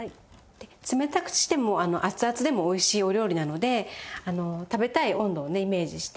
で冷たくしても熱々でもおいしいお料理なので食べたい温度をねイメージして。